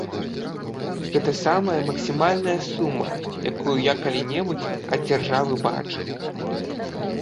Гэта самая максімальная сума, якую я калі-небудзь ад дзяржавы бачыў.